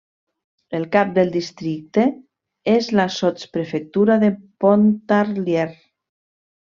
El cap del districte és la sotsprefectura de Pontarlier.